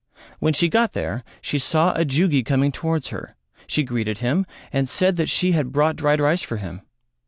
When she got there she saw a Jugi coming towards her, she greeted him and said that she had brought dried rice for him.